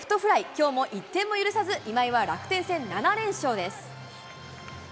きょうも１点も許さず、今井は楽天戦７連勝です。